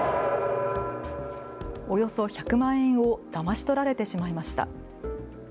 およそ１００万円をだまし取られてしまいました。